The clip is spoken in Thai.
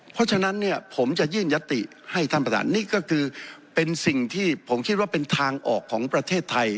เพราะฉะนั้นเนี่ยผมจะยื่นยติให้ท่านประธานนี่ก็คือเป็นสิ่งที่ผมคิดว่าเป็นทางออกของประเทศไทย